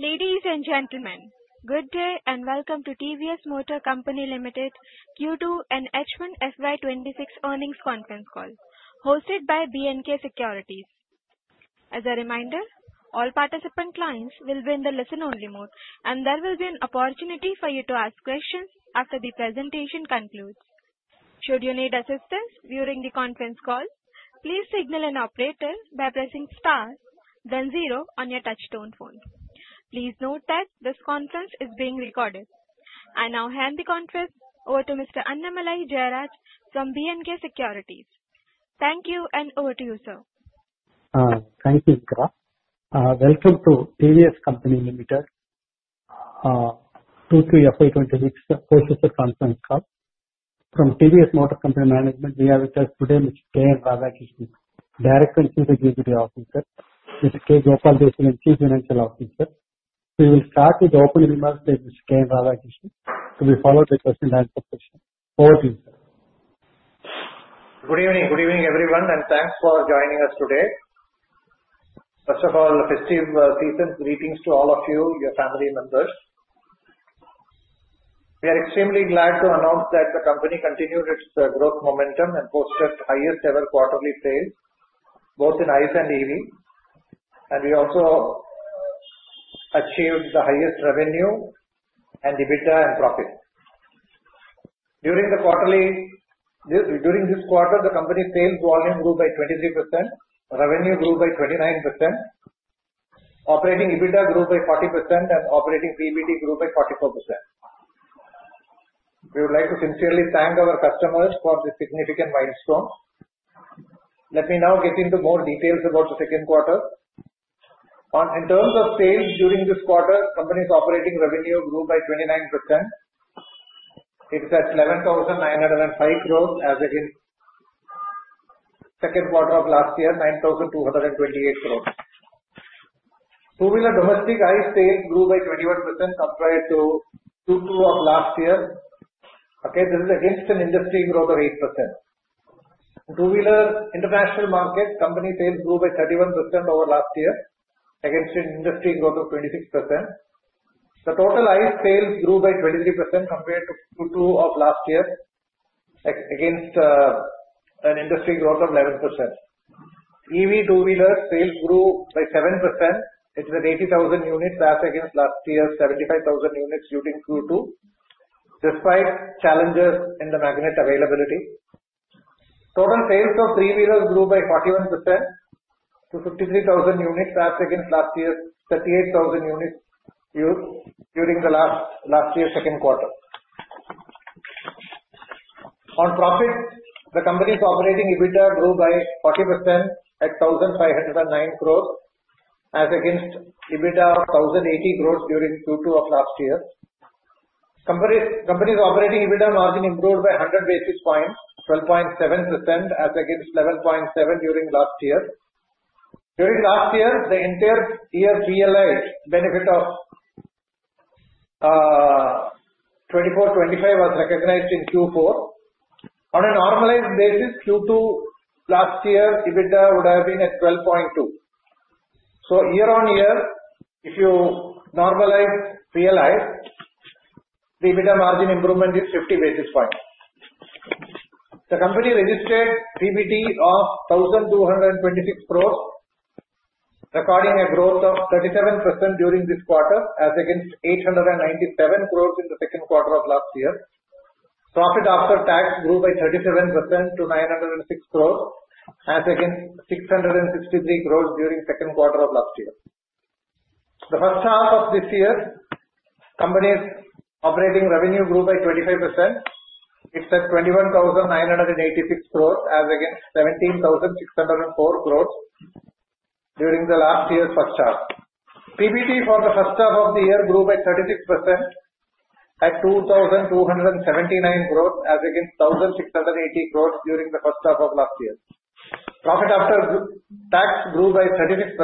Ladies and gentlemen, good day and welcome to TVS Motor Company Limited Q2 and H1 FY26 earnings conference call, hosted by B&K Securities. As a reminder, all participant lines will be in the listen-only mode, and there will be an opportunity for you to ask questions after the presentation concludes. Should you need assistance during the conference call, please signal an operator by pressing * then 0 on your touchtone phone. Please note that this conference is being recorded. I now hand the conference over to Mr. Annamalai Jayaraj from B&K Securities. Thank you, and over to you, sir. Thank you, Vikram. Welcome to TVS Motor Company Limited Q2 FY26 post-results conference call. From TVS Motor Company Management, we have with us today Mr. K N Radhakrishnan, Director and Chief Executive Officer, Mr. K. Gopala Desikan, Chief Financial Officer. We will start with opening remarks by Mr. K N Radhakrishnan to be followed by question-and-answer session. Over to you, sir. Good evening. Good evening, everyone, and thanks for joining us today. First of all, festive season greetings to all of you, your family members. We are extremely glad to announce that the company continued its growth momentum and posted highest-ever quarterly sales, both in ICE and EV. And we also achieved the highest revenue and EBITDA and profit. During this quarter, the company's sales volume grew by 23%, revenue grew by 29%, operating EBITDA grew by 40%, and operating PBT grew by 44%. We would like to sincerely thank our customers for the significant milestones. Let me now get into more details about the second quarter. In terms of sales during this quarter, the company's operating revenue grew by 29%. It is at 11,905 crores as against the second quarter of last year, 9,228 crores. Two-wheeler domestic ICE sales grew by 21% compared to Q2 of last year. Again, this is against an industry growth of 8%. In two-wheeler international market, the company's sales grew by 31% over last year against an industry growth of 26%. The total ICE sales grew by 23% compared to Q2 of last year against an industry growth of 11%. EV two-wheeler sales grew by 7%. It is at 80,000 units as against last year's 75,000 units in Q2, despite challenges in the magnet availability. Total sales of three-wheelers grew by 41% to 53,000 units as against last year's 38,000 units during the last year's second quarter. On profit, the company's operating EBITDA grew by 40% at 1,509 crores as against EBITDA of 1,080 crores during Q2 of last year. Company's operating EBITDA margin improved by 100 basis points, 12.7% as against 11.7% during last year. During last year, the entire year realized benefit of 24-25 was recognized in Q4. On a normalized basis, Q2 last year, EBITDA would have been at 12.2%, so year on year, if you normalize realized, the EBITDA margin improvement is 50 basis points. The company registered PBT of 1,226 crores, recording a growth of 37% during this quarter as against 897 crores in the second quarter of last year. Profit after tax grew by 37% to 906 crores as against 663 crores during the second quarter of last year. The first half of this year, the company's operating revenue grew by 25%. It's at 21,986 crores as against 17,604 crores during the last year's first half. PBT for the first half of the year grew by 36% at 2,279 crores as against 1,680 crores during the first half of last year. Profit after tax grew by 36%,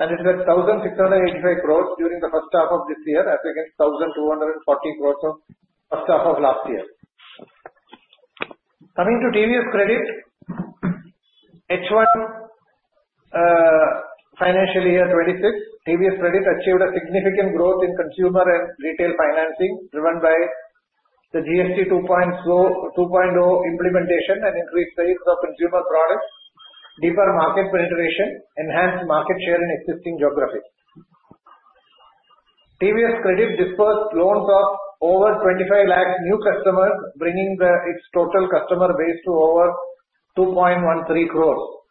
and it's at 1,685 crores during the first half of this year as against 1,240 crores of the first half of last year. Coming to TVS Credit, H1 Financial Year 26, TVS Credit achieved a significant growth in consumer and retail financing driven by the GST 2.0 implementation and increased sales of consumer products, deeper market penetration, enhanced market share in existing geography. TVS Credit disbursed loans of over 25 lakh new customers, bringing its total customer base to over 2.13 crores.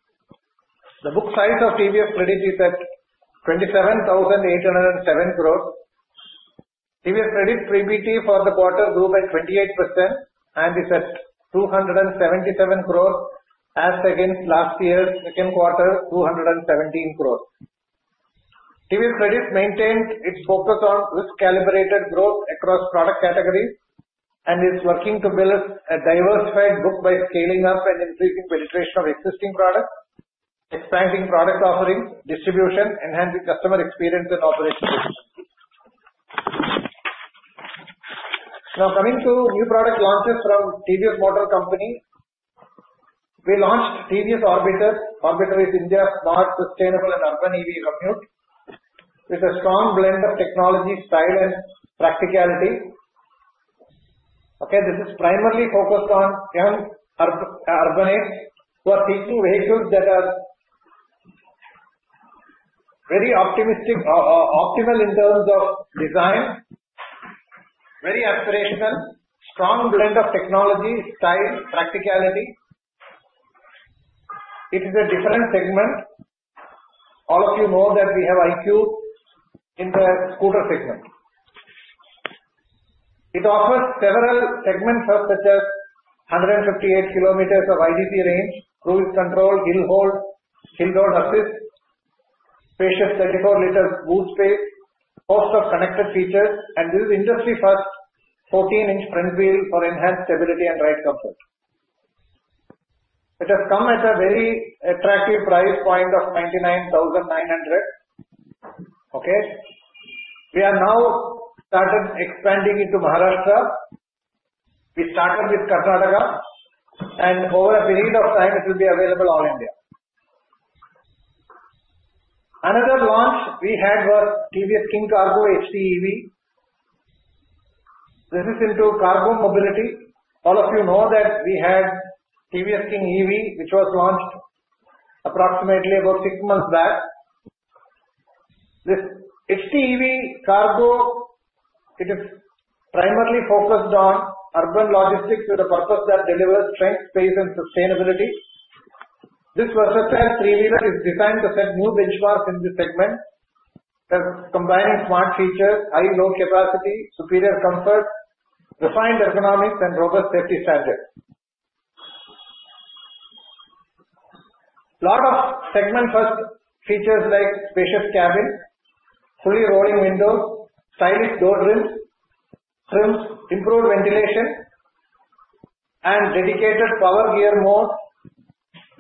The book size of TVS Credit is at 27,807 crores. TVS Credit PBT for the quarter grew by 28% and is at 277 crores as against last year's second quarter, 217 crores. TVS Credit maintained its focus on risk-calibrated growth across product categories and is working to build a diversified book by scaling up and increasing penetration of existing products, expanding product offering distribution, enhancing customer experience and operations. Now, coming to new product launches from TVS Motor Company. We launched TVS Orbiter. Orbiter is India's smart, sustainable, and urban EV commuter with a strong blend of technology, style, and practicality. This is primarily focused on young urbanites who are seeking vehicles that are very optimistic, optimal in terms of design, very aspirational, strong blend of technology, style, practicality. It is a different segment. All of you know that we have iQube in the scooter segment. It offers several segments such as 158 km of IDC range, cruise control, hill hold, hill hold assist, spacious 34 L boot space, host of connected features, and this is industry-first 14-inch front wheel for enhanced stability and ride comfort. It has come at a very attractive price point of 99,900. We have now started expanding into Maharashtra. We started with Karnataka, and over a period of time, it will be available all India. Another launch we had was TVS King Kargo HT EV. This is into cargo mobility. All of you know that we had TVS King EV, which was launched approximately about six months back. This HT EV Cargo, it is primarily focused on urban logistics with a purpose that delivers strength, space, and sustainability. This versatile three-wheeler is designed to set new benchmarks in this segment, combining smart features, high load capacity, superior comfort, refined ergonomics, and robust safety standards. A lot of segment-first features like spacious cabin, fully rolling windows, stylish door trims, improved ventilation, and dedicated power gear mode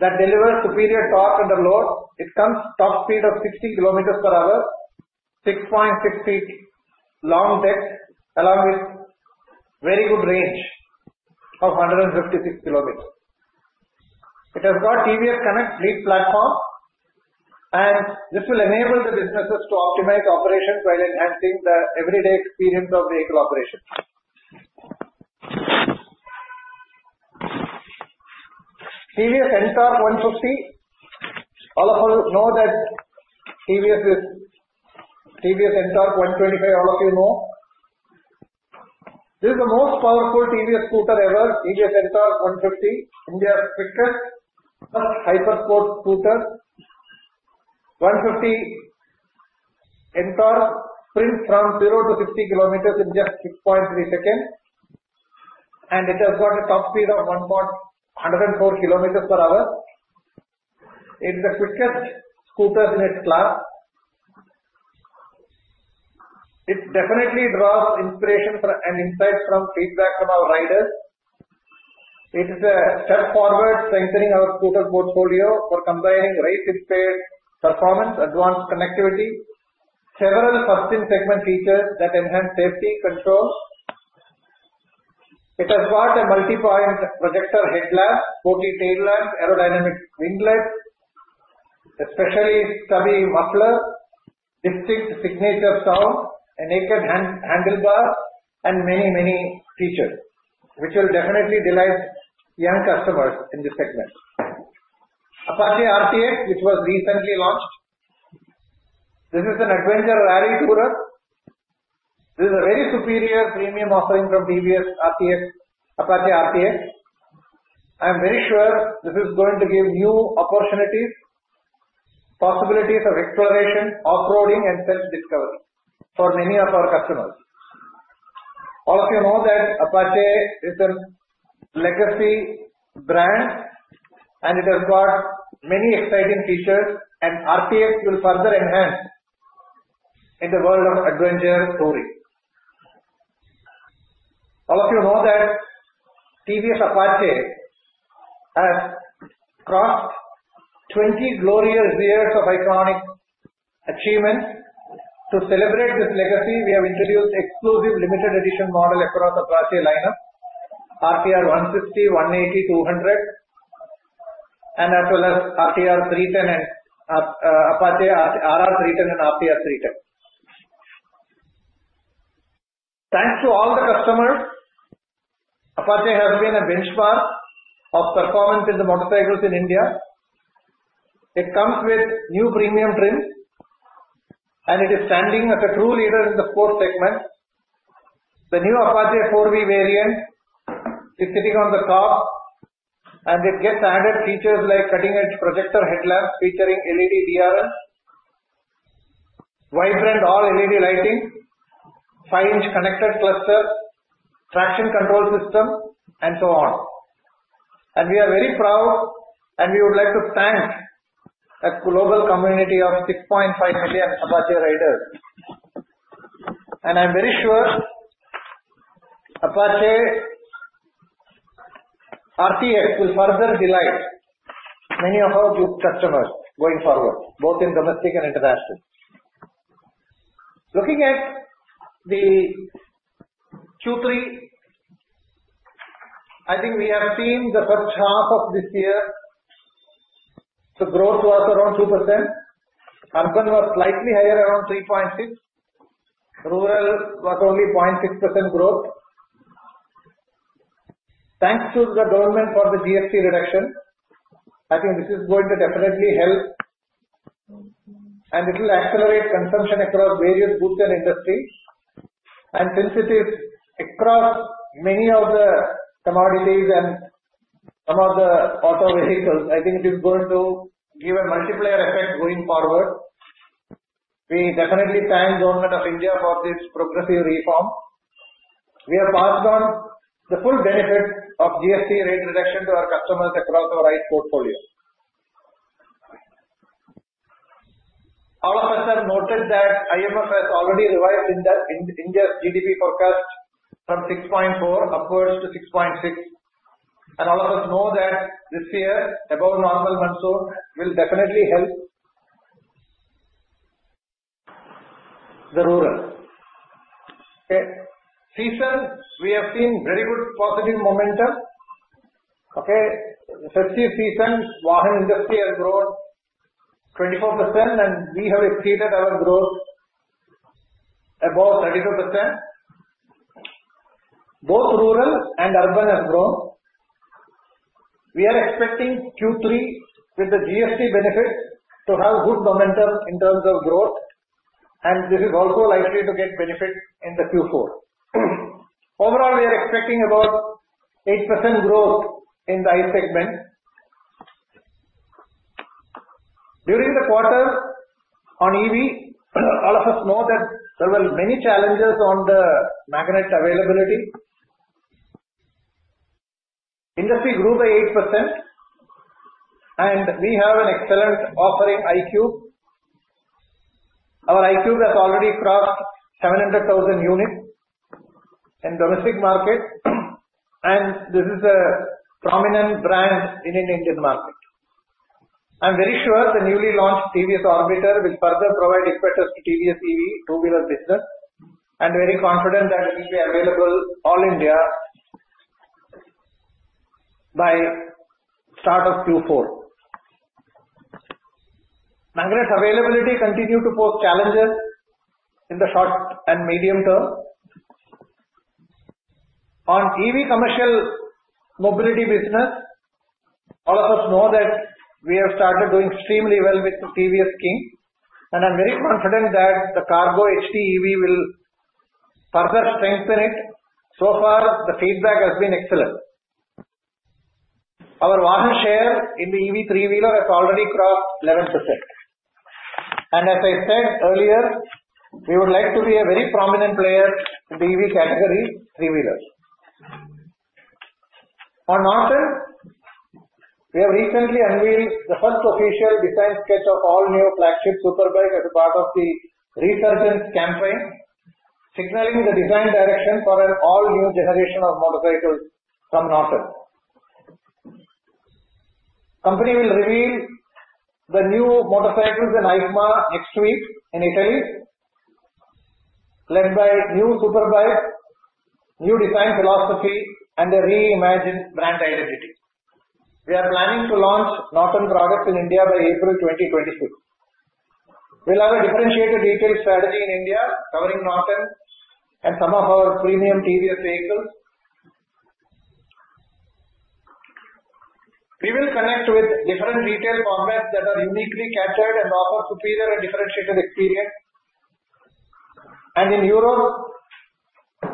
that delivers superior torque under load. It comes with a top speed of 60 km per hour, 6.6 ft long deck, along with very good range of 156 km. It has got TVS Connect fleet platform, and this will enable the businesses to optimize operations while enhancing the everyday experience of vehicle operation. TVS NTORQ 150. All of us know that TVS NTORQ 125, all of you know. This is the most powerful TVS scooter ever, TVS NTORQ 150, India's quickest, first hypersport scooter. 150 NTORQ sprint from 0-60 km in just 6.3 seconds, and it has got a top speed of 104 km per hour. It is the quickest scooter in its class. It definitely draws inspiration and insights from feedback from our riders. It is a step forward strengthening our scooter portfolio for combining race-inspired performance, advanced connectivity, several first-in-segment features that enhance safety controls. It has got a multi-point projector headlamp, sporty tail lamp, aerodynamic winglet, especially stubby muffler, distinct signature sound, naked handlebar, and many, many features which will definitely delight young customers in this segment. Apache RTX, which was recently launched. This is an adventure rally tourer. This is a very superior premium offering from TVS Apache RTX. I am very sure this is going to give new opportunities, possibilities of exploration, off-roading, and self-discovery for many of our customers. All of you know that Apache is a legacy brand, and it has got many exciting features, and RTX will further enhance in the world of adventure touring. All of you know that TVS Apache has crossed 20 glorious years of iconic achievements. To celebrate this legacy, we have introduced exclusive limited-edition models across Apache lineup, RTR 160, 180, 200, and as well as RTR 310 and Apache RR 310 and RTR 310. Thanks to all the customers, Apache has been a benchmark of performance in the motorcycles in India. It comes with new premium trims, and it is standing as a true leader in the sports segment. The new Apache 4V variant is sitting on the top, and it gets added features like cutting-edge projector headlamps featuring LED DRLs, vibrant all-LED lighting, five-inch connected cluster, traction control system, and so on. We are very proud, and we would like to thank a global community of 6.5 million Apache riders. I am very sure Apache RTX will further delight many of our customers going forward, both in domestic and international. Looking at the Q3, I think we have seen the first half of this year, the growth was around 2%. Urban was slightly higher, around 3.6%. Rural was only 0.6% growth. Thanks to the government for the GST reduction, I think this is going to definitely help, and it will accelerate consumption across various goods and industries. Since it is across many of the commodities and some of the auto vehicles, I think it is going to give a multiplier effect going forward. We definitely thank the Government of India for this progressive reform. We have passed on the full benefits of GST rate reduction to our customers across our ICE portfolio. All of us have noted that IMF has already revised India's GDP forecast from 6.4 upwards to 6.6, and all of us know that this year, above normal monsoon, will definitely help the rural season. We have seen very good positive momentum. Festive season, two-wheeler industry has grown 24%, and we have exceeded our growth above 32%. Both rural and urban have grown. We are expecting Q3 with the GST benefits to have good momentum in terms of growth, and this is also likely to get benefit in the Q4. Overall, we are expecting about 8% growth in the ICE segment. During the quarter on EV, all of us know that there were many challenges on the magnet availability. Industry grew by 8%, and we have an excellent offering iQube. Our iQube has already crossed 700,000 units in the domestic market, and this is a prominent brand in an Indian market. I'm very sure the newly launched TVS Orbiter will further provide impetus to TVS EV two-wheeler business, and very confident that it will be available all India by the start of Q4. Magnet availability continues to pose challenges in the short and medium term. On EV commercial mobility business, all of us know that we have started doing extremely well with TVS King, and I'm very confident that the King Cargo HT EV will further strengthen it. So far, the feedback has been excellent. Our market share in the EV three-wheeler has already crossed 11%. As I said earlier, we would like to be a very prominent player in the EV L5 category three-wheelers. On Norton, we have recently unveiled the first official design sketch of all-new flagship superbike as a part of the resurgence campaign, signaling the design direction for an all-new generation of motorcycles from Norton. Company will reveal the new motorcycles in EICMA next week in Italy, led by new superbikes, new design philosophy, and a reimagined brand identity. We are planning to launch Norton products in India by April 2026. We'll have a differentiated retail strategy in India covering Norton and some of our premium TVS vehicles. We will connect with different retail formats that are uniquely catered and offer superior and differentiated experience. And in Europe,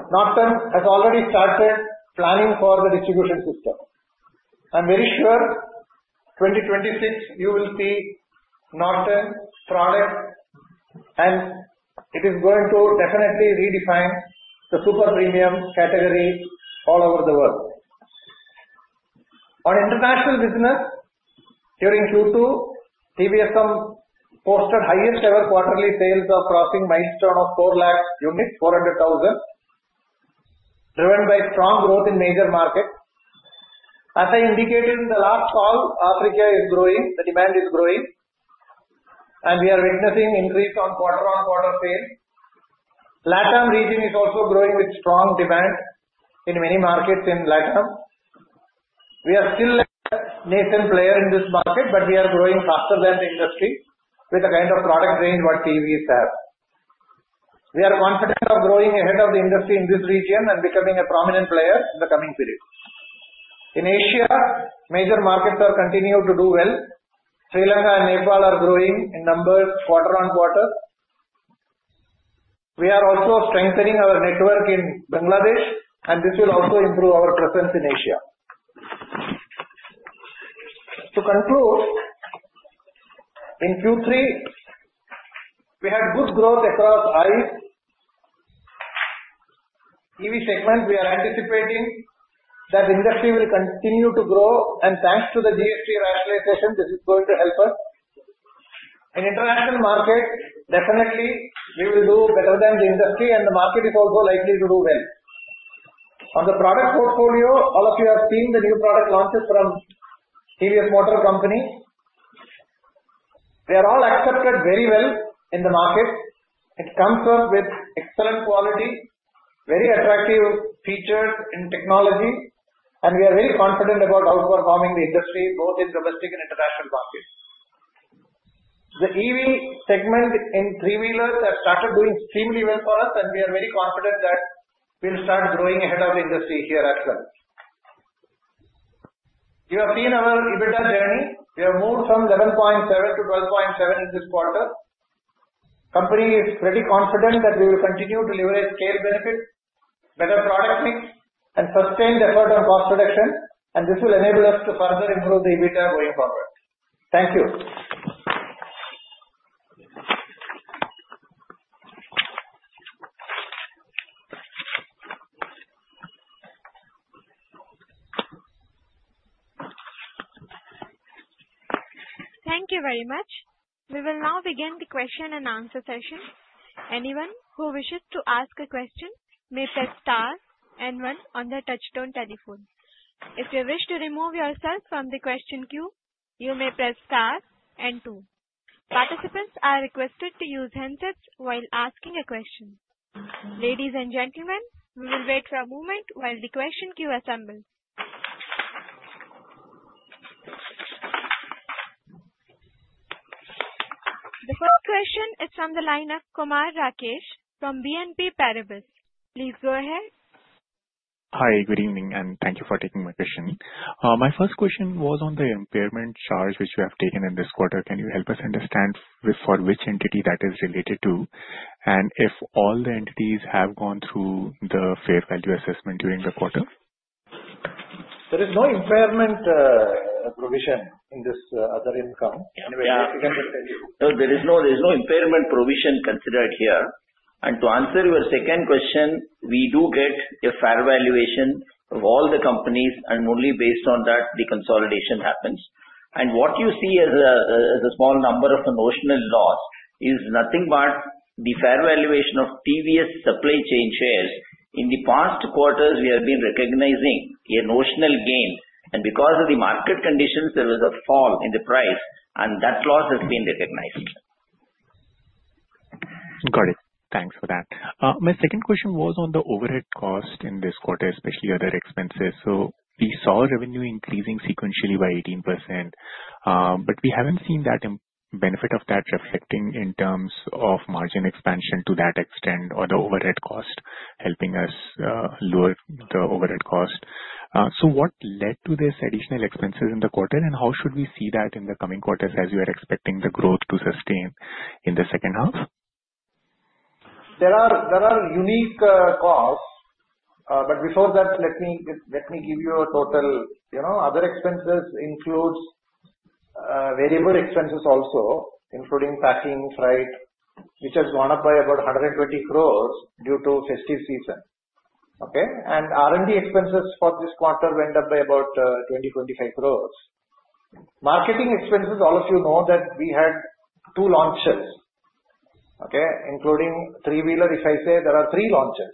Norton has already started planning for the distribution system. I'm very sure 2026, you will see Norton products, and it is going to definitely redefine the super premium category all over the world. On international business, during Q2, TVS posted highest-ever quarterly sales of crossing milestone of 4 lakh units, 400,000, driven by strong growth in major markets. As I indicated in the last call, Africa is growing. The demand is growing, and we are witnessing increase on quarter-on-quarter sales. Latam region is also growing with strong demand in many markets in Latam. We are still a nascent player in this market, but we are growing faster than the industry with the kind of product range what TVS has. We are confident of growing ahead of the industry in this region and becoming a prominent player in the coming period. In Asia, major markets are continuing to do well. Sri Lanka and Nepal are growing in numbers quarter on quarter. We are also strengthening our network in Bangladesh, and this will also improve our presence in Asia. To conclude, in Q3, we had good growth across ICE EV segment. We are anticipating that industry will continue to grow, and thanks to the GST rationalization, this is going to help us. In international markets, definitely, we will do better than the industry, and the market is also likely to do well. On the product portfolio, all of you have seen the new product launches from TVS Motor Company. They are all accepted very well in the market. It comes up with excellent quality, very attractive features in technology, and we are very confident about outperforming the industry both in domestic and international markets. The EV segment in three-wheelers has started doing extremely well for us, and we are very confident that we'll start growing ahead of the industry here as well. You have seen our EBITDA journey. We have moved from 11.7 to 12.7 in this quarter. Company is pretty confident that we will continue to leverage scale benefits, better product mix, and sustained effort on cost reduction, and this will enable us to further improve the EBITDA going forward. Thank you. Thank you very much. We will now begin the question and answer session. Anyone who wishes to ask a question may press star one on their touch-tone telephone. If you wish to remove yourself from the question queue, you may press star two. Participants are requested to use handsets while asking a question. Ladies and gentlemen, we will wait for a moment while the question queue assembles. The first question is from the lineup, Kumar Rakesh from BNP Paribas. Please go ahead. Hi, good evening, and thank you for taking my question. My first question was on the impairment charge which you have taken in this quarter. Can you help us understand for which entity that is related to, and if all the entities have gone through the fair value assessment during the quarter? There is no impairment provision in this other income. No, there is no impairment provision considered here. And to answer your second question, we do get a fair valuation of all the companies, and only based on that, the consolidation happens. And what you see as a small number of notional loss is nothing but the fair valuation of TVS Supply Chain Solutions shares. In the past quarters, we have been recognizing a notional gain, and because of the market conditions, there was a fall in the price, and that loss has been recognized. Got it. Thanks for that. My second question was on the overhead cost in this quarter, especially other expenses. So we saw revenue increasing sequentially by 18%, but we haven't seen that benefit of that reflecting in terms of margin expansion to that extent or the overhead cost helping us lower the overhead cost. So what led to these additional expenses in the quarter, and how should we see that in the coming quarters as you are expecting the growth to sustain in the second half? There are unique costs, but before that, let me give you a total. Other expenses include variable expenses also, including packing freight, which has gone up by about 120 crores due to festive season. And R&D expenses for this quarter went up by about 20-25 crores. Marketing expenses, all of you know that we had two launches, including three-wheeler. If I say there are three launches,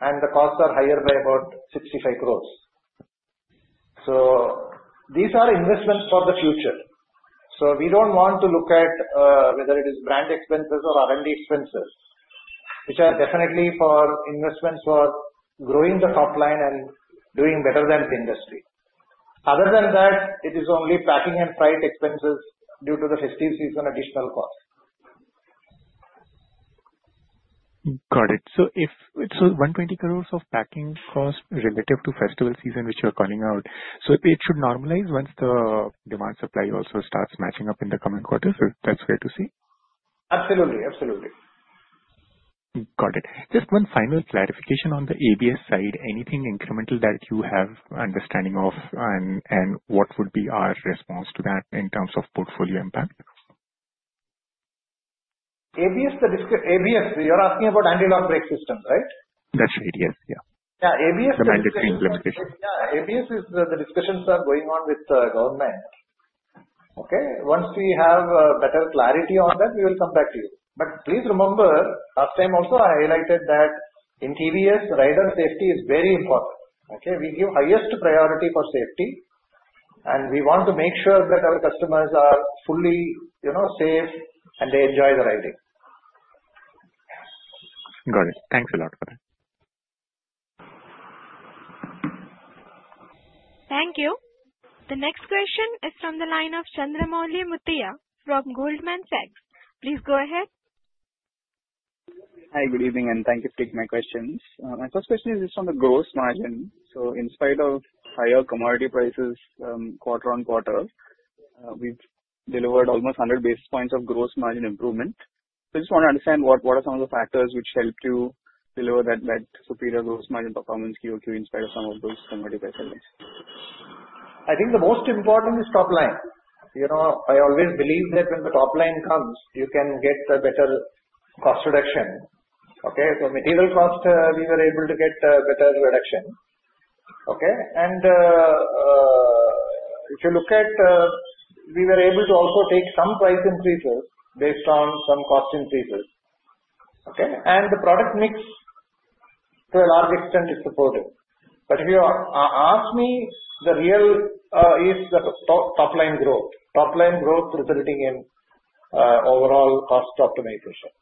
and the costs are higher by about 65 crores. So these are investments for the future. So we don't want to look at whether it is brand expenses or R&D expenses, which are definitely for investments for growing the top line and doing better than the industry. Other than that, it is only packing and freight expenses due to the festive season additional cost. Got it. So 120 crores of packing cost relative to festival season, which you're calling out. So it should normalize once the demand supply also starts matching up in the coming quarters. That's great to see. Absolutely. Absolutely. Got it. Just one final clarification on the ABS side. Anything incremental that you have understanding of, and what would be our response to that in terms of portfolio impact? ABS, you're asking about anti-lock brake systems, right? That's right. Yes. Yeah. Yeah. ABS is the discussions are going on with the government. Once we have better clarity on that, we will come back to you. But please remember, last time also I highlighted that in TVS, rider safety is very important. We give highest priority for safety, and we want to make sure that our customers are fully safe and they enjoy the riding. Got it. Thanks a lot for that. Thank you. The next question is from the line of Chandramouli Muthiah from Goldman Sachs. Please go ahead. Hi, good evening, and thank you for taking my questions. My first question is just on the gross margin. So in spite of higher commodity prices quarter on quarter, we've delivered almost 100 basis points of gross margin improvement. So I just want to understand what are some of the factors which helped you deliver that superior gross margin performance in spite of some of those commodity price settings? I think the most important is top line. I always believe that when the top line comes, you can get a better cost reduction. So material cost, we were able to get a better reduction. And if you look at, we were able to also take some price increases based on some cost increases. And the product mix, to a large extent, is supported. But if you ask me, the real is the top line growth, top line growth resulting in overall cost optimization.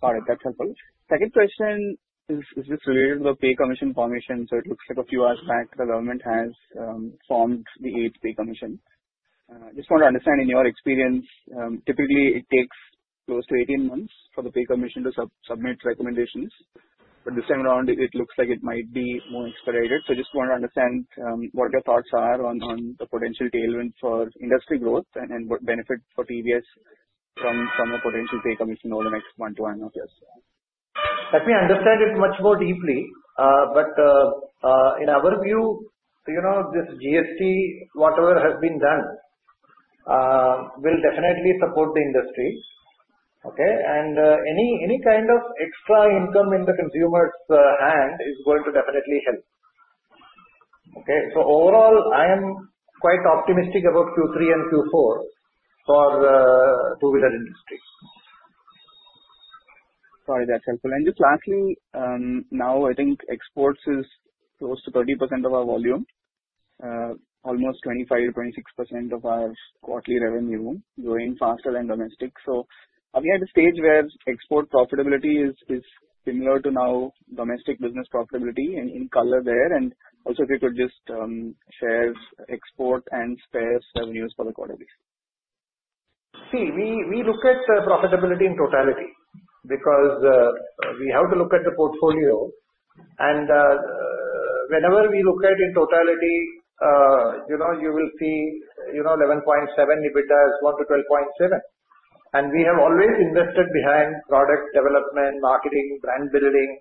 Got it. That's helpful. Second question is just related to the Pay Commission formation. So it looks like a few hours back, the government has formed the Eighth Pay Commission. Just want to understand, in your experience, typically it takes close to 18 months for the Pay Commission to submit recommendations. But this time around, it looks like it might be more expedited. So I just want to understand what your thoughts are on the potential tailwind for industry growth and what benefit for TVS from a potential pay commission over the next one to one and a half years. Let me understand it much more deeply. But in our view, this GST, whatever has been done, will definitely support the industry. And any kind of extra income in the consumer's hand is going to definitely help. So overall, I am quite optimistic about Q3 and Q4 for two-wheeler industry. Sorry, that's helpful. And just lastly, now I think exports is close to 30% of our volume, almost 25%-26% of our quarterly revenue growing faster than domestic. So are we at a stage where export profitability is similar to now domestic business profitability and in color there? And also, if you could just share export and spare revenues for the quarterly. See, we look at profitability in totality because we have to look at the portfolio, and whenever we look at in totality, you will see 11.7%-12.7% EBITDA, and we have always invested behind product development, marketing, brand building,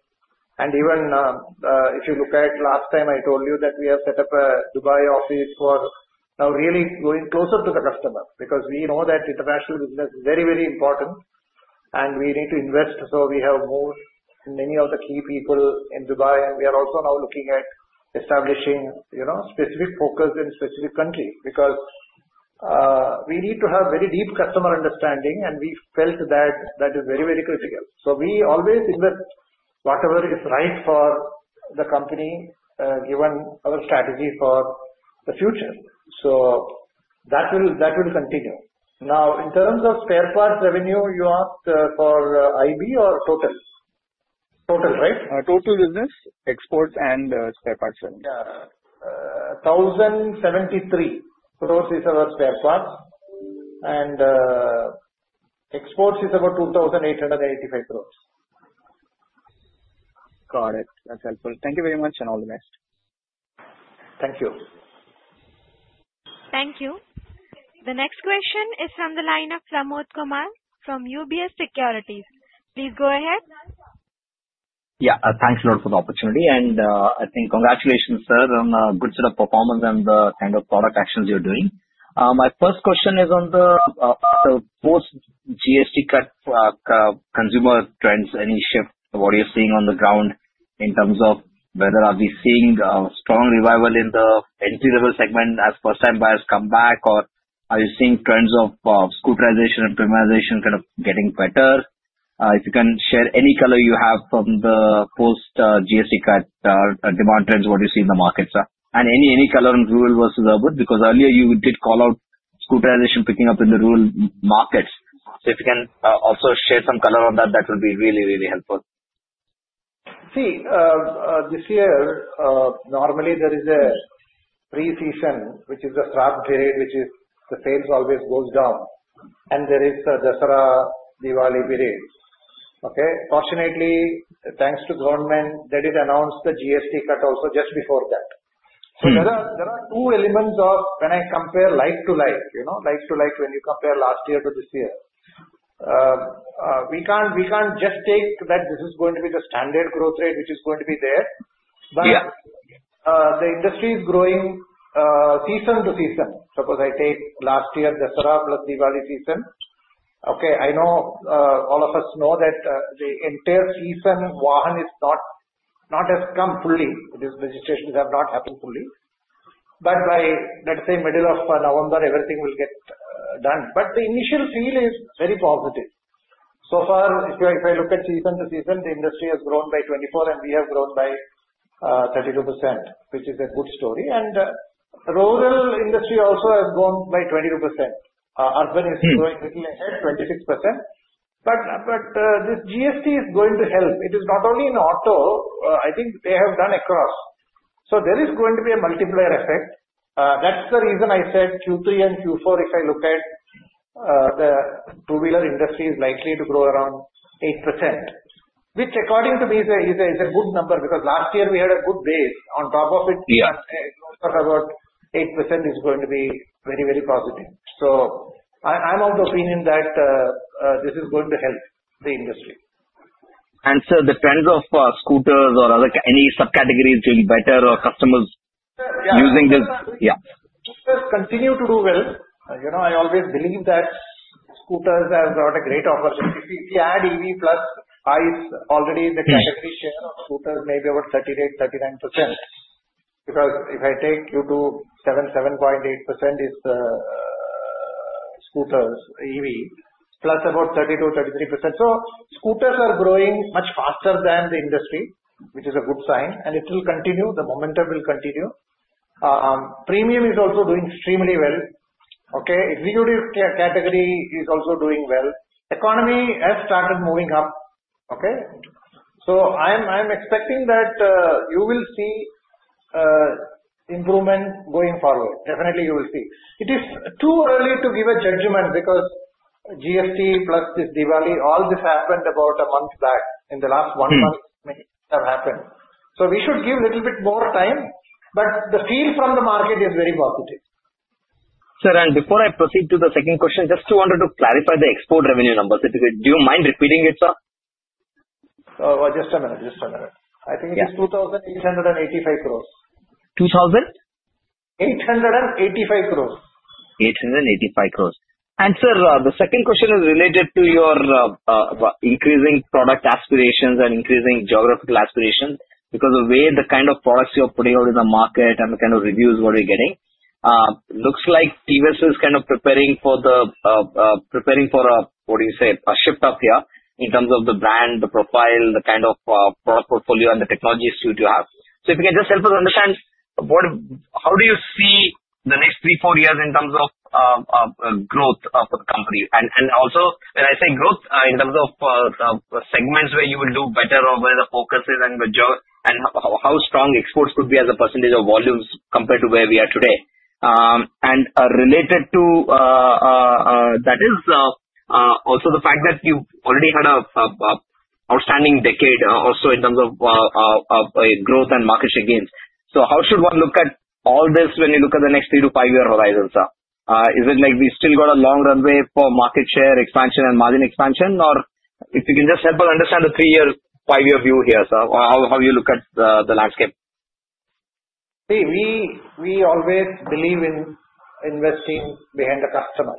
and even if you look at last time, I told you that we have set up a Dubai office for now, really going closer to the customer because we know that international business is very, very important, and we need to invest, so we have moved many of the key people in Dubai, and we are also now looking at establishing specific focus in specific countries because we need to have very deep customer understanding, and we felt that that is very, very critical, so we always invest whatever is right for the company, given our strategy for the future, so that will continue. Now, in terms of spare parts revenue, you asked for IB or total? Total, right? Total business, exports, and spare parts revenue. 1,073 crores is our spare parts, and exports is about 2,885 crores. Got it. That's helpful. Thank you very much and all the best. Thank you. Thank you. The next question is from the line of Pramod Kumar from UBS Securities. Please go ahead. Yeah. Thanks a lot for the opportunity. And I think congratulations, sir, on a good set of performance and the kind of product actions you're doing. My first question is on the post-GST cut consumer trends, any shift, what you're seeing on the ground in terms of whether are we seeing strong revival in the entry-level segment as first-time buyers come back, or are you seeing trends of scooterization and premiumization kind of getting better? If you can share any color you have from the post-GST cut demand trends, what do you see in the markets and any color on rural versus urban because earlier you did call out scooterization picking up in the rural markets, so if you can also share some color on that, that would be really, really helpful. See, this year, normally there is a pre-season, which is a slack period, which is the sales always goes down, and there is the Dasara Diwali period. Fortunately, thanks to government, they did announce the GST cut also just before that, so there are two elements of when I compare like to like, like to like when you compare last year to this year. We can't just take that this is going to be the standard growth rate, which is going to be there, but the industry is growing season to season. Suppose I take last year Dasara plus Diwali season. I know all of us know that the entire season has not come fully. The registrations have not happened fully. But by, let's say, middle of November, everything will get done. But the initial feel is very positive. So far, if I look at season to season, the industry has grown by 24%, and we have grown by 32%, which is a good story. And rural industry also has grown by 22%. Urban is growing ahead, 26%. But this GST is going to help. It is not only in auto. I think they have done across. So there is going to be a multiplier effect. That's the reason I said Q3 and Q4. If I look at the two-wheeler industry is likely to grow around 8%, which according to me is a good number because last year we had a good base. On top of it, it looks like about 8% is going to be very, very positive. So I'm of the opinion that this is going to help the industry, and so the trends of scooters or any subcategories doing better or customers using this? Yeah, continue to do well. I always believe that scooters have got a great opportunity. If you add EV plus, I already in the category share of scooters may be about 38-39%. Because if I take you to 7-7.8% is scooters, EV, plus about 32-33%. So scooters are growing much faster than the industry, which is a good sign, and it will continue. The momentum will continue. Premium is also doing extremely well. Executive category is also doing well. Economy has started moving up. So I'm expecting that you will see improvement going forward. Definitely, you will see. It is too early to give a judgment because GST plus this Diwali, all this happened about a month back. In the last one month, many things have happened. So we should give a little bit more time, but the feel from the market is very positive. Sir, and before I proceed to the second question, just wanted to clarify the export revenue numbers. Do you mind repeating it, sir? Just a minute. Just a minute. I think it is 2,885 crores. 2,000? 885 crores. 885 crores. And, sir, the second question is related to your increasing product aspirations and increasing geographical aspirations because the way the kind of products you're putting out in the market and the kind of reviews what we're getting looks like TVS is kind of preparing for, what do you say, a shift up here in terms of the brand, the profile, the kind of product portfolio, and the technology suite you have. So if you can just help us understand, how do you see the next three, four years in terms of growth for the company? And also, when I say growth, in terms of segments where you will do better or where the focus is and how strong exports could be as a percentage of volumes compared to where we are today. And related to that is also the fact that you already had an outstanding decade also in terms of growth and market share gains. So how should one look at all this when you look at the next three to five-year horizon, sir? Is it like we still got a long runway for market share expansion and margin expansion? Or if you can just help us understand the three-year, five-year view here, sir, how you look at the landscape? See, we always believe in investing behind the customer.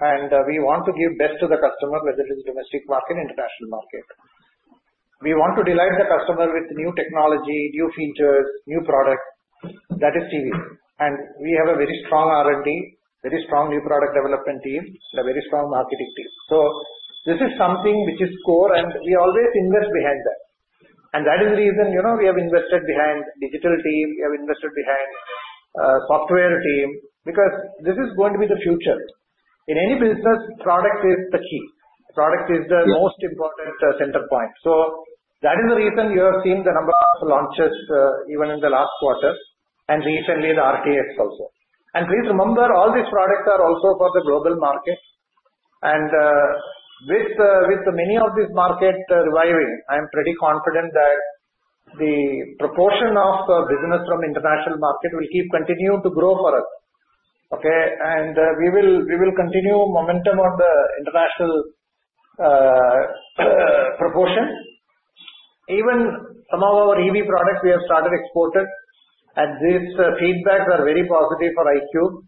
And we want to give best to the customer, whether it is domestic market, international market. We want to delight the customer with new technology, new features, new products. That is TVS. And we have a very strong R&D, very strong new product development team, and a very strong marketing team. So this is something which is core, and we always invest behind that, and that is the reason we have invested behind digital team. We have invested behind software team because this is going to be the future. In any business, product is the key. Product is the most important center point, so that is the reason you have seen the number of launches even in the last quarter and recently the RTX also, and please remember, all these products are also for the global market, and with many of these markets reviving, I'm pretty confident that the proportion of business from international market will keep continuing to grow for us, and we will continue momentum on the international proportion. Even some of our EV products we have started exporting, and these feedbacks are very positive for iQube.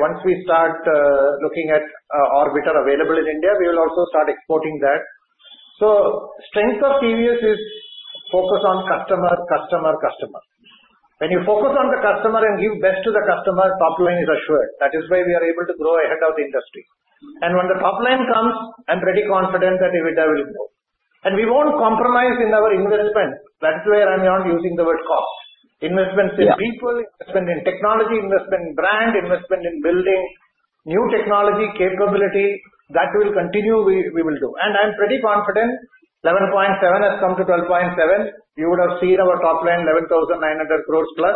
Once we start looking at Orbiter available in India, we will also start exporting that. So strength of TVS is focus on customer, customer, customer. When you focus on the customer and give best to the customer, top line is assured. That is why we are able to grow ahead of the industry. And when the top line comes, I'm pretty confident that EBITDA will grow. And we won't compromise in our investment. That is where I'm not using the word cost. Investment in people, investment in technology, investment in brand, investment in building, new technology capability, that will continue we will do. And I'm pretty confident 11.7 has come to 12.7. You would have seen our top line 11,900 crores plus.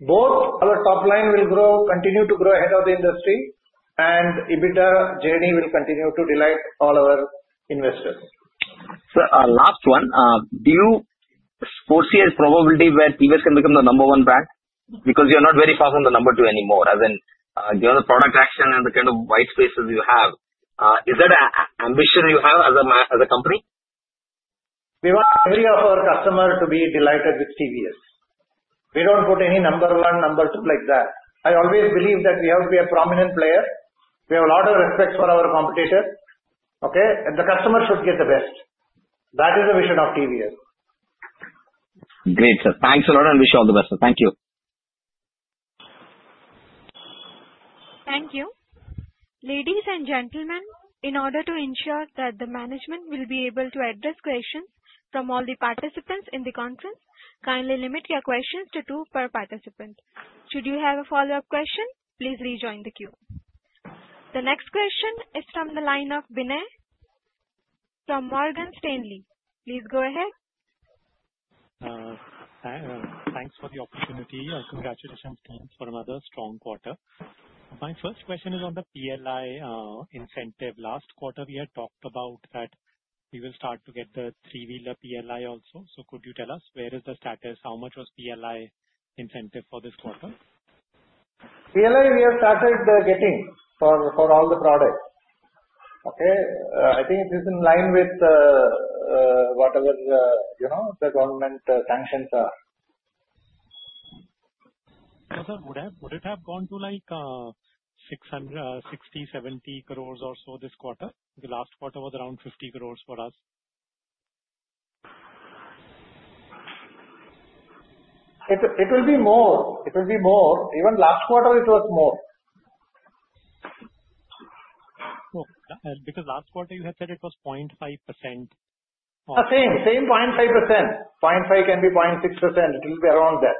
Both our top line will grow, continue to grow ahead of the industry, and EBITDA journey will continue to delight all our investors. Sir, last one. Do you foresee a probability where TVS can become the number one brand? Because you're not very far from the number two anymore. As in, given the product action and the kind of white spaces you have, is that an ambition you have as a company? We want every of our customers to be delighted with TVS. We don't put any number one, number two like that. I always believe that we have to be a prominent player. We have a lot of respect for our competitors, and the customer should get the best. That is the vision of TVS. Great, sir. Thanks a lot, and wish you all the best, sir. Thank you. Thank you. Ladies and gentlemen, in order to ensure that the management will be able to address questions from all the participants in the conference, kindly limit your questions to two per participant. Should you have a follow-up question, please rejoin the queue. The next question is from the line of Vinay from Morgan Stanley. Please go ahead. Thanks for the opportunity. Congratulations again for another strong quarter. My first question is on the PLI incentive. Last quarter, we had talked about that we will start to get the three-wheeler PLI also. So could you tell us where is the status? How much was PLI incentive for this quarter? PLI we have started getting for all the products. I think it is in line with whatever the government sanctions are. So, sir, would it have gone to like 60-70 crores or so this quarter? The last quarter was around 50 crores for us. It will be more. It will be more. Even last quarter, it was more. Because last quarter, you had said it was 0.5%. Same, same 0.5%. 0.5% can be 0.6%. It will be around that.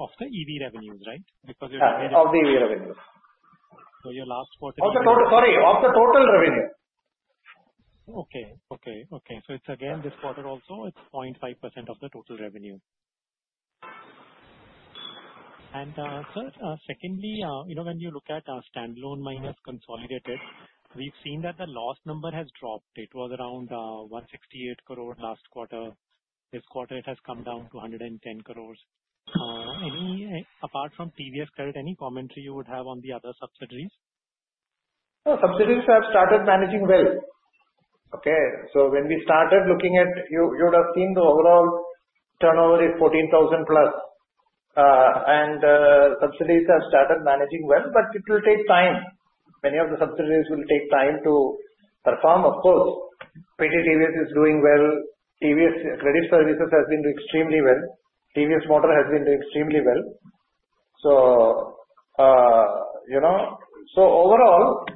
Of the EV revenues, right? Because you're talking about. Of the EV revenues. So your last quarter is of the total. Sorry. Of the total revenue. Okay. So it's again, this quarter also, it's 0.5% of the total revenue. Sir, secondly, when you look at standalone minus consolidated, we've seen that the loss number has dropped. It was around 168 crore last quarter. This quarter, it has come down to 110 crores. Apart from TVS Credit, any commentary you would have on the other subsidiaries? Subsidiaries have started managing well. When we started looking at it, you would have seen the overall turnover is 14,000-plus. Subsidiaries have started managing well, but it will take time. Many of the subsidiaries will take time to perform, of course. PT TVS is doing well. TVS Credit Services has been doing extremely well. TVS Motor has been doing extremely well. So overall,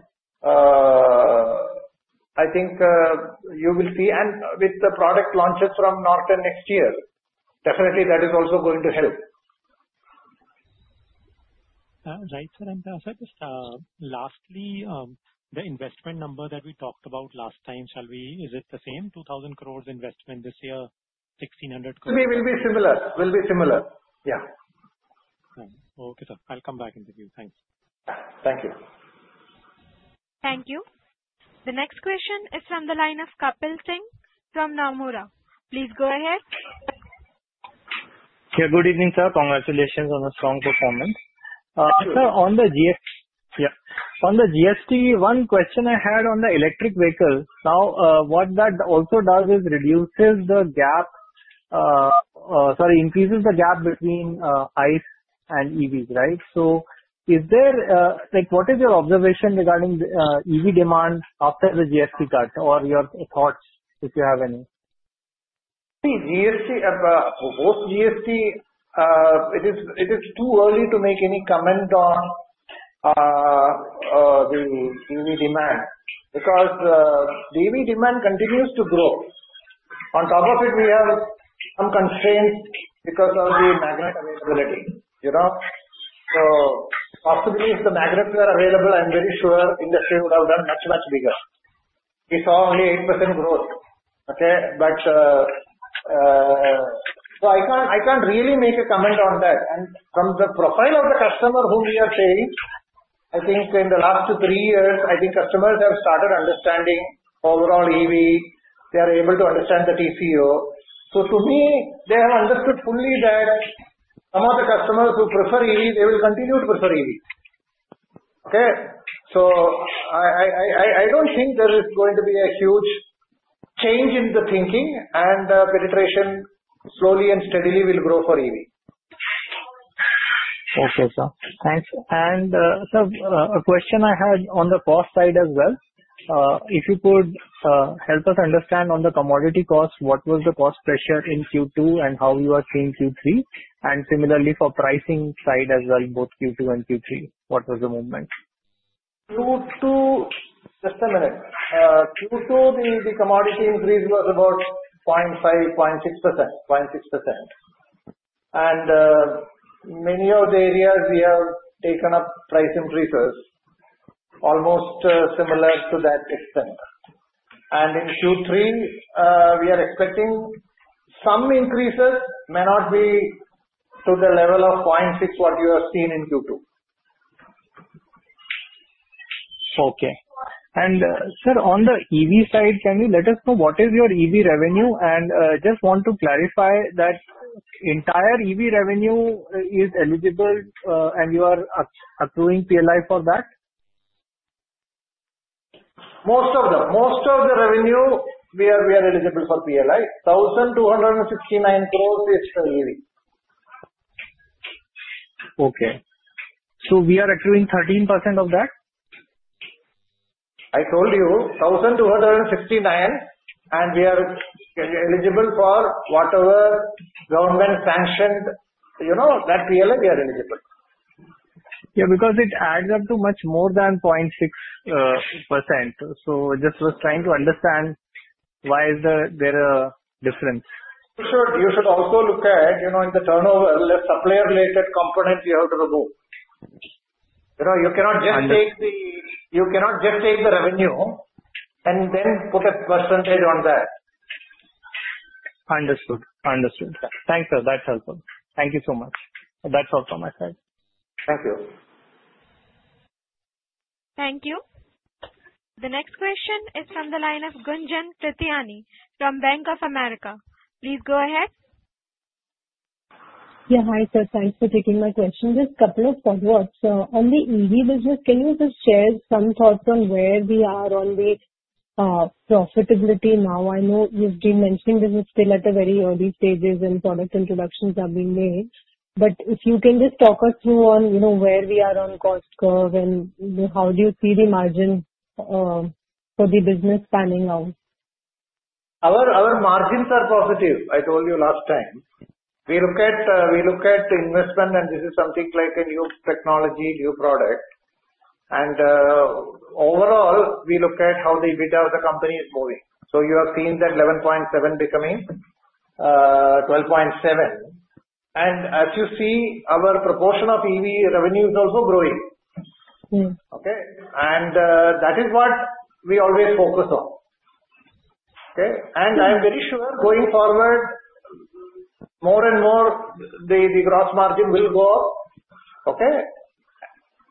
I think you will see. And with the product launches from now until next year, definitely that is also going to help. Right, sir. And just lastly, the investment number that we talked about last time, shall we, is it the same? 2,000 crores investment this year, 1,600 crores. We will be similar. We'll be similar. Yeah. Okay, sir. I'll come back and give you. Thanks. Thank you. Thank you. The next question is from the line of Kapil Singh from Nomura. Please go ahead. Yeah. Good evening, sir. Congratulations on a strong performance. Sir, on the GST, one question I had on the electric vehicle. Now, what that also does is reduces the gap, sorry, increases the gap between ICE and EVs, right? So what is your observation regarding EV demand after the GST cut? Or your thoughts, if you have any? Post-GST, it is too early to make any comment on the EV demand because the EV demand continues to grow. On top of it, we have some constraints because of the magnet availability. So possibly, if the magnets were available, I'm very sure industry would have done much, much bigger. We saw only 8% growth. But so I can't really make a comment on that. And from the profile of the customer whom we are serving, I think in the last two to three years, I think customers have started understanding overall EV. They are able to understand the TCO. So to me, they have understood fully that some of the customers who prefer EV, they will continue to prefer EV. So I don't think there is going to be a huge change in the thinking, and penetration slowly and steadily will grow for EV. Okay, sir. Thanks. And, sir, a question I had on the cost side as well. If you could help us understand on the commodity cost, what was the cost pressure in Q2 and how you are seeing Q3? And similarly for pricing side as well, both Q2 and Q3, what was the movement? Q2, just a minute. Q2, the commodity increase was about 0.5-0.6%. And many of the areas we have taken up price increases, almost similar to that extent. And in Q3, we are expecting some increases, may not be to the level of 0.6 what you have seen in Q2. Okay. And, sir, on the EV side, can you let us know what is your EV revenue? And just want to clarify that entire EV revenue is eligible, and you are accruing PLI for that? Most of the revenue, we are eligible for PLI. 1,269 crores is for EV. Okay. So we are accruing 13% of that? I told you 1,269, and we are eligible for whatever government sanctioned that PLI we are eligible. Yeah, because it adds up to much more than 0.6%. So just was trying to understand why is there a difference. You should also look at in the turnover, the supplier-related component you have to remove. You cannot just take the revenue and then put a percentage on that. Understood. Understood. Thanks, sir. That's helpful. Thank you so much. That's all from my side. Thank you. Thank you. The next question is from the line of Gunjan Prithyani from Bank of America. Please go ahead. Yeah. Hi, sir. Thanks for taking my question. Just a couple of follow-ups. On the EV business, can you just share some thoughts on where we are on the profitability now? I know you've been mentioning this is still at the very early stages and product introductions are being made, but if you can just talk us through on where we are on cost curve and how do you see the margin for the business panning out? Our margins are positive. I told you last time. We look at investment, and this is something like a new technology, new product, and overall, we look at how the EBITDA of the company is moving, so you have seen that 11.7 becoming 12.7, and as you see, our proportion of EV revenue is also growing, and that is what we always focus on. I'm very sure going forward, more and more, the gross margin will go up.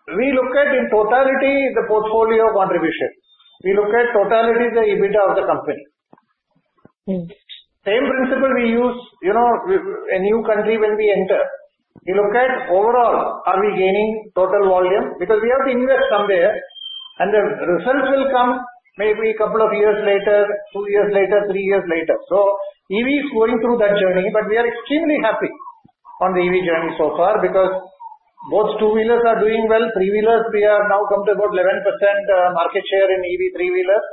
We look at in totality the portfolio contribution. We look at totality the EBITDA of the company. Same principle we use a new country when we enter. We look at overall, are we gaining total volume? Because we have to invest somewhere, and the results will come maybe a couple of years later, two years later, three years later. EV is going through that journey, but we are extremely happy on the EV journey so far because both two-wheelers are doing well. Three-wheelers, we have now come to about 11% market share in EV three-wheelers,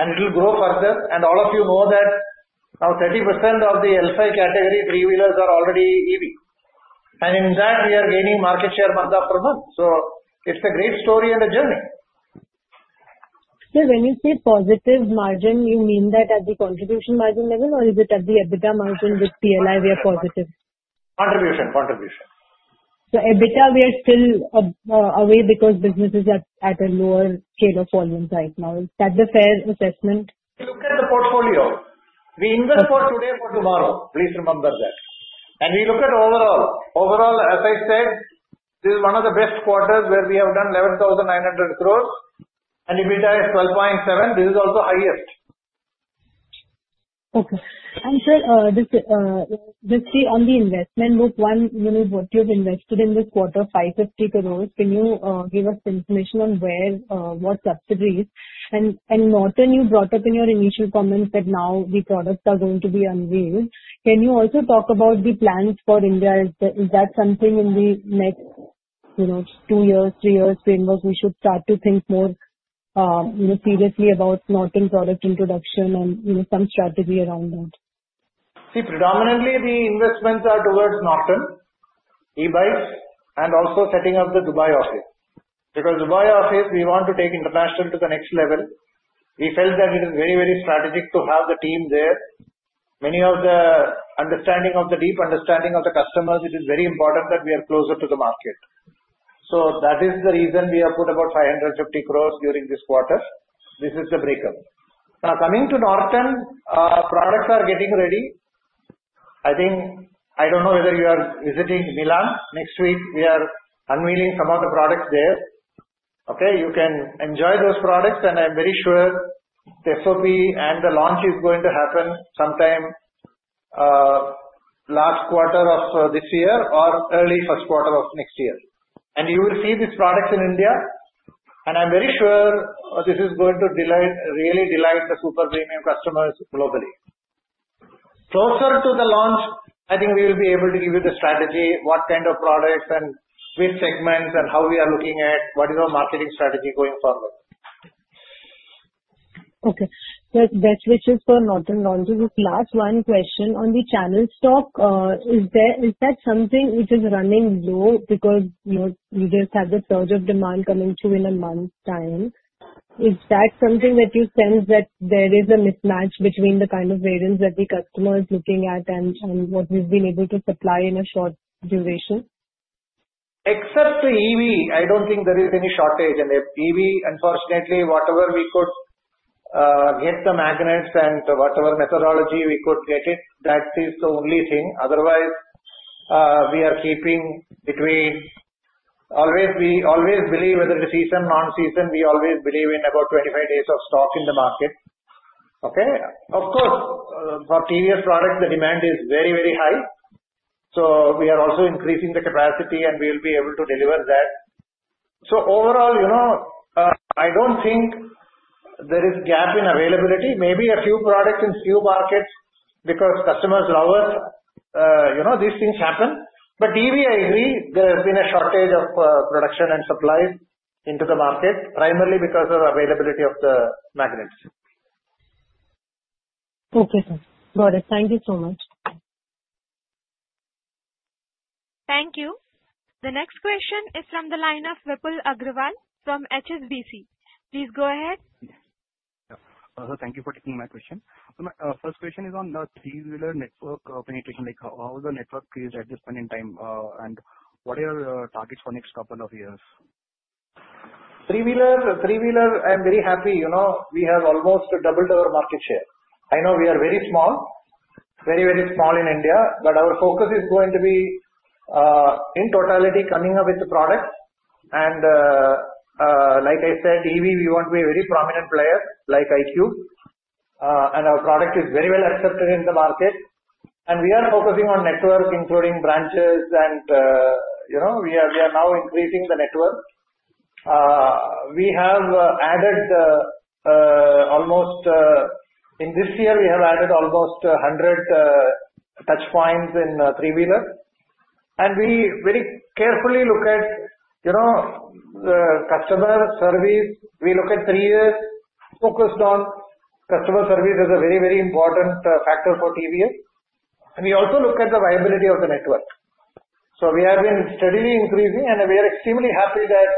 and it will grow further. All of you know that now 30% of the L5 Category three-wheelers are already EV. In that, we are gaining market share month after month. It's a great story and a journey. When you say positive margin, you mean that at the contribution margin level, or is it at the EBITDA margin with PLI we are positive? Contribution, contribution. So EBITDA we are still away because business is at a lower scale of volume right now. Is that the fair assessment? We look at the portfolio. We invest for today, for tomorrow. Please remember that. And we look at overall. Overall, as I said, this is one of the best quarters where we have done 11,900 crores, and EBITDA is 12.7. This is also highest. Okay. And, sir, just on the investment book, what you've invested in this quarter, 550 crores, can you give us information on what subsidies? And Norton, you brought up in your initial comments that now the products are going to be unveiled. Can you also talk about the plans for India? Is that something in the next two years, three years framework we should start to think more seriously about Norton product introduction and some strategy around that? See, predominantly, the investments are towards Norton, e-bikes, and also setting up the Dubai office. Because Dubai office, we want to take international to the next level. We felt that it is very, very strategic to have the team there. Many of the understanding of the deep understanding of the customers, it is very important that we are closer to the market. So that is the reason we have put about 550 crores during this quarter. This is the breakup. Now, coming to Norton, products are getting ready. I don't know whether you are visiting Milan. Next week, we are unveiling some of the products there. You can enjoy those products, and I'm very sure the SOP and the launch is going to happen sometime last quarter of this year or early first quarter of next year, and you will see these products in India, and I'm very sure this is going to really delight the super premium customers globally. Closer to the launch, I think we will be able to give you the strategy, what kind of products and which segments and how we are looking at, what is our marketing strategy going forward. Okay. Best wishes for Norton launches. Last one question on the channel stock. Is that something which is running low because you just had the surge of demand coming through in a month's time? Is that something that you sense that there is a mismatch between the kind of variance that the customer is looking at and what we've been able to supply in a short duration? Except EV, I don't think there is any shortage. And EV, unfortunately, whatever we could get the magnets and whatever methodology we could get it, that is the only thing. Otherwise, we are keeping between always believe whether it's season or non-season, we always believe in about 25 days of stock in the market. Of course, for previous products, the demand is very, very high. So we are also increasing the capacity, and we will be able to deliver that. So overall, I don't think there is a gap in availability. Maybe a few products in a few markets because customers love us. These things happen. But EV, I agree, there has been a shortage of production and supplies into the market, primarily because of availability of the magnets. Okay, sir. Got it. Thank you so much. Thank you. The next question is from the line of Vipul Agrawal from HSBC. Please go ahead. Thank you for taking my question. First question is on the three-wheeler network penetration. How is the network created at this point in time, and what are your targets for the next couple of years? Three-wheeler, I'm very happy. We have almost doubled our market share. I know we are very small, very, very small in India, but our focus is going to be in totality coming up with the products. And like I said, EV, we want to be a very prominent player like iQube. And our product is very well accepted in the market. And we are focusing on network, including branches, and we are now increasing the network. We have added almost 100 touchpoints in three-wheelers, and we very carefully look at the customer service. We look at three-year focused on customer service as a very, very important factor for TVL, and we also look at the viability of the network, so we have been steadily increasing, and we are extremely happy that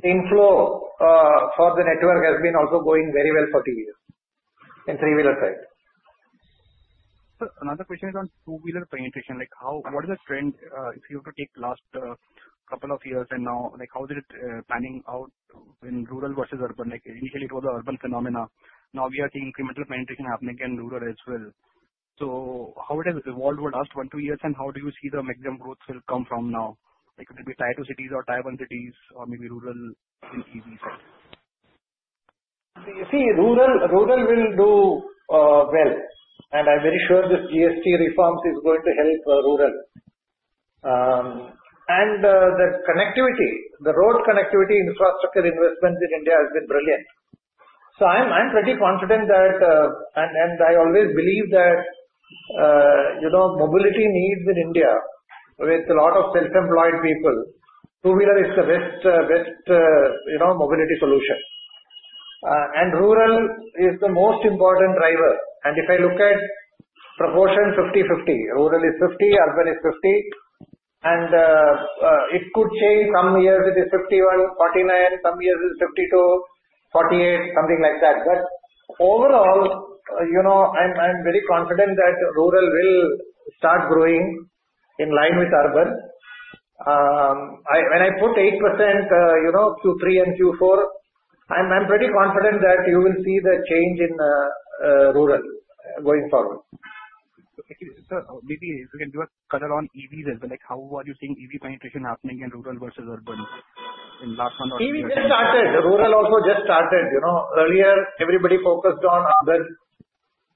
the inflow for the network has been also going very well for TVL in three-wheeler side. Another question is on two-wheeler penetration. What is the trend if you were to take the last couple of years and now? How is it panning out in rural versus urban? Initially, it was the urban phenomenon. Now we are seeing incremental penetration happening in rural as well. So how it has evolved over the last one, two years, and how do you see the magnum growth will come from now? It will be tied to cities or maybe rural in EV side? See, rural will do well. And I'm very sure this GST reforms is going to help rural. And the connectivity, the road connectivity infrastructure investment in India has been brilliant. So I'm pretty confident that, and I always believe that mobility needs in India with a lot of self-employed people, two-wheeler is the best mobility solution. And rural is the most important driver. And if I look at proportion 50-50, rural is 50, urban is 50. And it could change some years it is 51, 49, some years it is 52, 48, something like that. But overall, I'm very confident that rural will start growing in line with urban. When I put 8% Q3 and Q4, I'm pretty confident that you will see the change in rural going forward. Thank you. Sir, maybe if you can give us color on EVs as well, how are you seeing EV penetration happening in rural versus urban in last one or two years? EV just started. Rural also just started. Earlier, everybody focused on urban.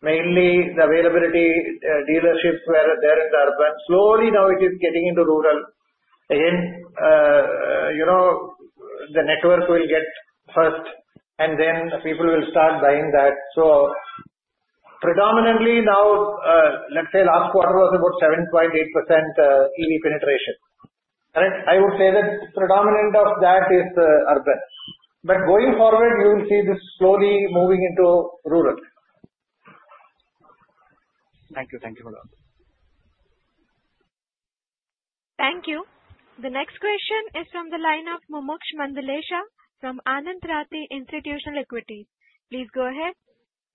Mainly the availability dealerships were there in the urban. Slowly now it is getting into rural. Again, the network will get first, and then people will start buying that. So predominantly now, let's say last quarter was about 7.8% EV penetration. I would say that predominant of that is urban. But going forward, you will see this slowly moving into rural. Thank you. Thank you for that. Thank you. The next question is from the line of Mumuksh Mandlesha from Anand Rathi Institutional Equities. Please go ahead.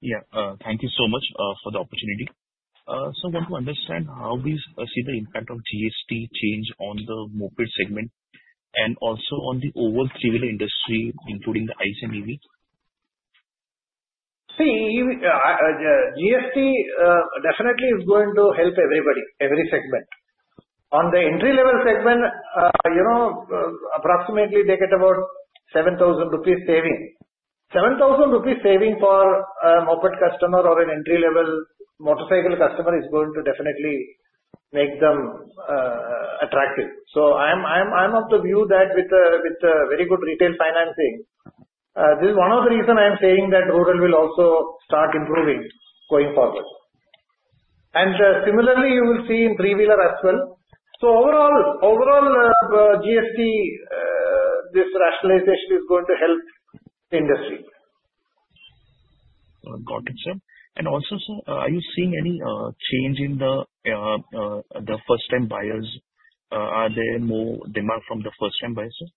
Yeah. Thank you so much for the opportunity. So I want to understand how we see the impact of GST change on the moped segment and also on the overall three-wheeler industry, including the ICE and EV? See, GST definitely is going to help everybody, every segment. On the entry-level segment, approximately they get about 7,000 rupees saving. 7,000 rupees saving for a moped customer or an entry-level motorcycle customer is going to definitely make them attractive. So I'm of the view that with very good retail financing, this is one of the reasons I'm saying that rural will also start improving going forward. And similarly, you will see in three-wheeler as well. So overall, GST, this rationalization is going to help the industry. Got it, sir. And also, sir, are you seeing any change in the first-time buyers? Are there more demand from the first-time buyers, sir?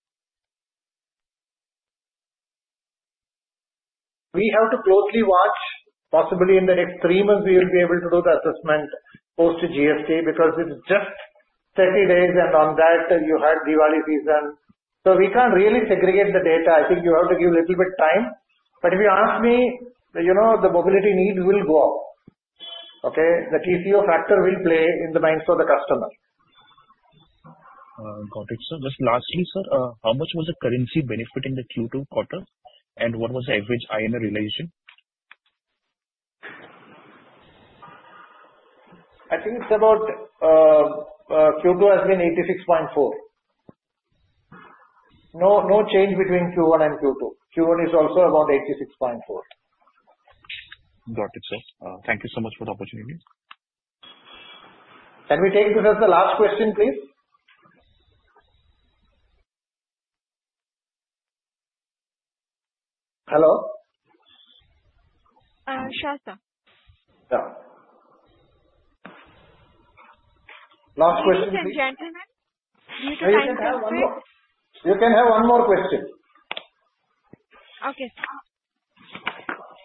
We have to closely watch. Possibly in the next three months, we will be able to do the assessment post-GST because it's just 30 days, and on that, you had Diwali season. So we can't really segregate the data. I think you have to give a little bit of time. But if you ask me, the mobility needs will go up. The TCO factor will play in the minds of the customer. Got it, sir. Just lastly, sir, how much was the currency benefit in the Q2 quarter, and what was the average INR relation? I think it's about Q2 has been 86.4. No change between Q1 and Q2. Q1 is also about 86.4. Got it, sir. Thank you so much for the opportunity. Can we take this as the last question, please? Hello? Yeah. Last question. do you have one more? You can have one more question. Okay.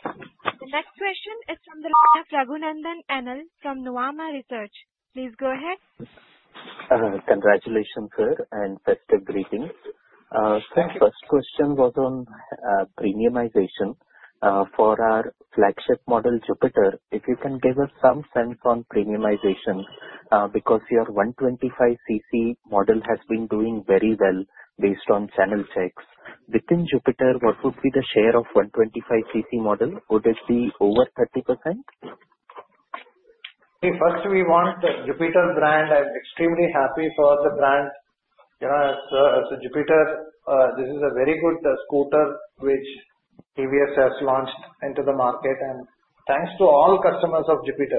The next question is from the line of Raghunandan N.L. from Nuvama Research. Please go ahead. Congratulations, sir, and best of greetings. So the first question was on premiumization for our flagship model, Jupiter. If you can give us some sense on premiumization because your 125cc model has been doing very well based on channel checks. Within Jupiter, what would be the share of 125cc model? Would it be over 30%? See, first, we want the Jupiter brand. I'm extremely happy for the brand. So Jupiter, this is a very good scooter which TVS has launched into the market, and thanks to all customers of Jupiter.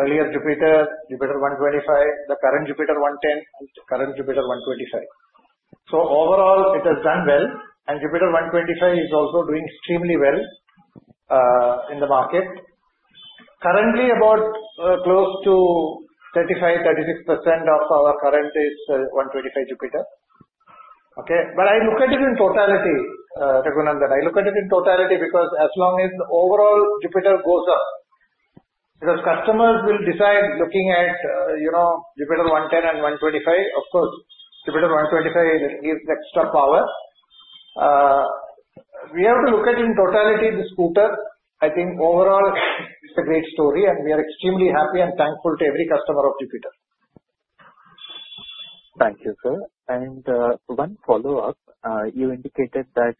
Earlier, Jupiter, Jupiter 125, the current Jupiter 110, and current Jupiter 125. So overall, it has done well, and Jupiter 125 is also doing extremely well in the market. Currently, about close to 35-36% of our current is 125 Jupiter. But I look at it in totality, Raghunandan. I look at it in totality because as long as the overall Jupiter goes up, because customers will decide looking at Jupiter 110 and 125, of course, Jupiter 125 gives extra power. We have to look at it in totality, the scooter. I think overall, it's a great story, and we are extremely happy and thankful to every customer of Jupiter. Thank you, sir. And one follow-up. You indicated that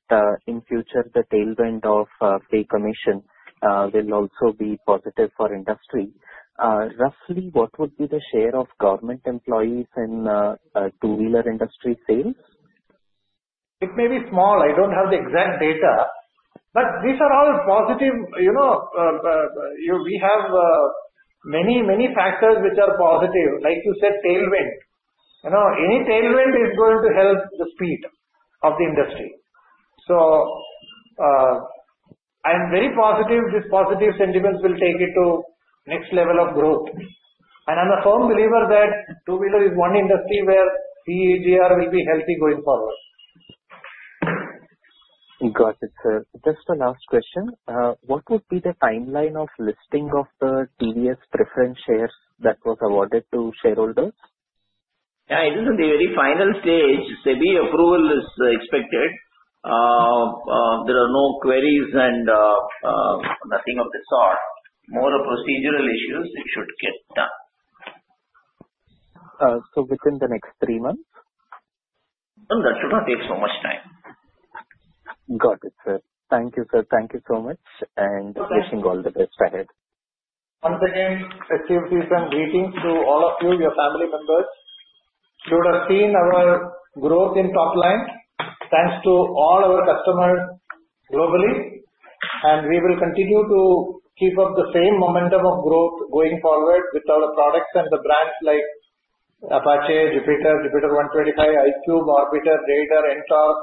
in future, the tailwind of pay commission will also be positive for industry. Roughly, what would be the share of government employees in two-wheeler industry sales? It may be small. I don't have the exact data. But these are all positive. We have many, many factors which are positive. Like you said, tailwind. Any tailwind is going to help the speed of the industry. So I'm very positive these positive sentiments will take it to the next level of growth. And I'm a firm believer that two-wheeler is one industry where CAGR will be healthy going forward. Got it, sir. Just one last question. What would be the timeline of listing of the TVS preference shares that was awarded to shareholders? Yeah. It is in the very final stage. SEBI approval is expected. There are no queries and nothing of the sort. More procedural issues should get done. So within the next three months? That should not take so much time. Got it, sir. Thank you, sir. Thank you so much. And wishing all the best ahead. Once again, best wishes and greetings to all of you, your family members. You would have seen our growth in top line. Thanks to all our customers globally. And we will continue to keep up the same momentum of growth going forward with our products and the brands like Apache, Jupiter, Jupiter 125, iQube, Orbiter, Raider, NTORQ,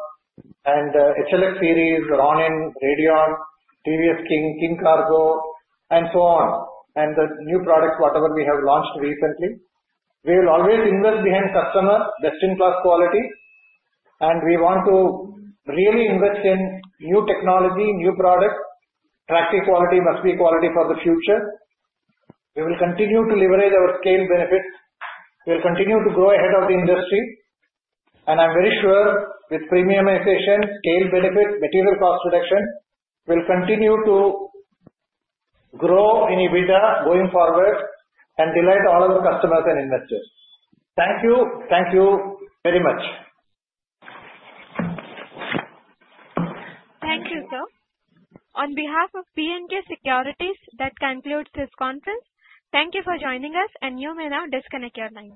and HLX series, Ronin, Radeon, TVS King, King Cargo, and so on. And the new products, whatever we have launched recently, we will always invest behind customer, best-in-class quality. And we want to really invest in new technology, new products. Tracking quality must be quality for the future. We will continue to leverage our scale benefits. We will continue to grow ahead of the industry. And I'm very sure with premiumization, scale benefit, material cost reduction, we'll continue to grow in EBITDA going forward and delight all of our customers and investors. Thank you. Thank you very much. [audio distorition]Thank you, sir. On behalf of B&K Securities, that concludes this conference. Thank you for joining us, and you may now disconnect your line.